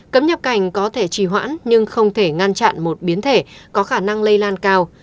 cấm nhập cảnh có thể trì hoãn nhưng không thể ngăn chặn một biến thể có khả năng lây lan cao